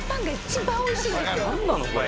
何なのこれ？